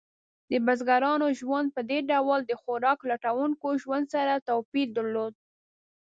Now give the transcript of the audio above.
د بزګرانو ژوند په دې ډول د خوراک لټونکو ژوند سره توپیر درلود.